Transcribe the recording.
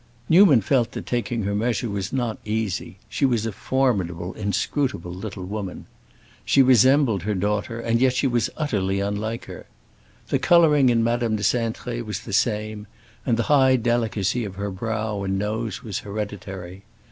Newman felt that taking her measure was not easy; she was a formidable, inscrutable little woman. She resembled her daughter, and yet she was utterly unlike her. The coloring in Madame de Cintré was the same, and the high delicacy of her brow and nose was hereditary.